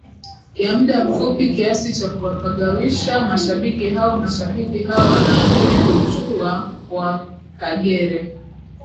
ya muda mfupi kiasi cha kuwapagawisha mashabiki haoMashabiki hao wanaamini kutua kwa Kagere